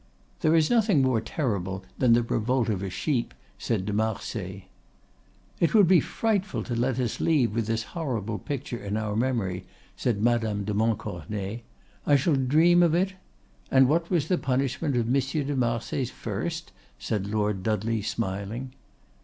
"There is nothing more terrible than the revolt of a sheep," said de Marsay. "It would be frightful to let us leave with this horrible picture in our memory," said Madame de Montcornet. "I shall dream of it——" "And what was the punishment of Monsieur de Marsay's 'First'?" said Lord Dudley, smiling.